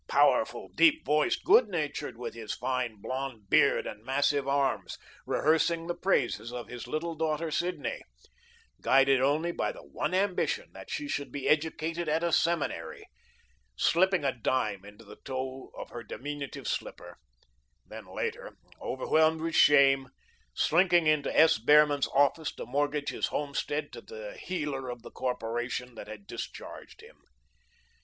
Powerful, deep voiced, good natured, with his fine blonde beard and massive arms, rehearsing the praises of his little daughter Sidney, guided only by the one ambition that she should be educated at a seminary, slipping a dime into the toe of her diminutive slipper, then, later, overwhelmed with shame, slinking into S. Behrman's office to mortgage his homestead to the heeler of the corporation that had discharged him.